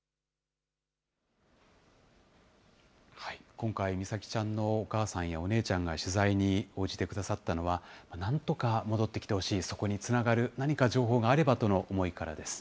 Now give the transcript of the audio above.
今回、美咲ちゃんのお母さんやお姉ちゃんが取材に応じてくださったのは、なんとか戻ってきてほしい、そこにつながる何か情報があればとの思いからです。